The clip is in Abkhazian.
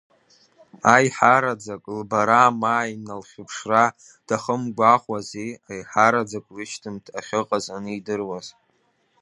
Аиҳараӡак лбара, ма иналхьыԥшра дахымгәаҟуази, аиҳараӡак лышьҭымҭ ахьыҟаз анидыруаз.